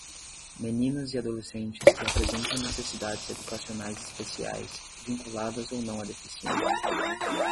meninas e adolescentes que apresentam necessidades educacionais especiais, vinculadas ou não a deficiências.